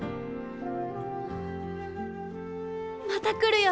また来るよ！